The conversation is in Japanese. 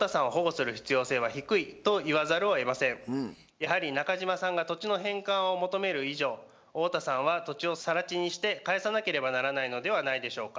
やはり中島さんが土地の返還を求める以上太田さんは土地を更地にして返さなければならないのではないでしょうか。